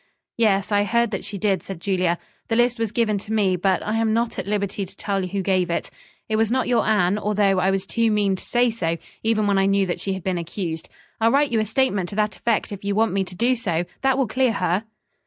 "Yes, I heard that she did," said Julia. "The list was given to me, but I am not at liberty to tell who gave it. It was not your Anne, although I was too mean to say so, even when I knew that she had been accused. I'll write you a statement to that effect if you want me to do so. That will clear her."